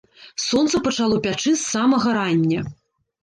Сонца пачало пячы з самага рання.